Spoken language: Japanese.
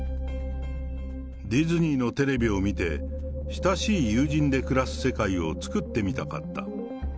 ディズニーのテレビを見て、親しい友人で暮らす世界を作ってみたかった。